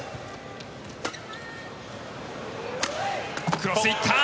クロス、行った。